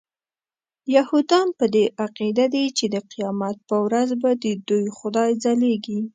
یهودان په دې عقیده دي چې د قیامت په ورځ به ددوی خدای ځلیږي.